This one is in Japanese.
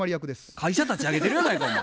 会社立ち上げてるやないかお前。